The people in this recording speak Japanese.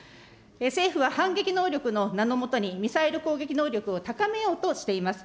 政府は反撃能力の名のもとに、ミサイル攻撃能力を高めようとしています。